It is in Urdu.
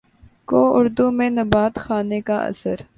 کو اردو میں نبات خانے کا اثر